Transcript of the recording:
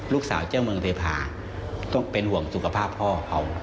ลูกสาวเจ้ากับเทพาต้องเป็นห่วงสุขภาพพ่อเขา